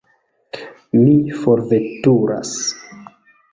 Mi forveturas.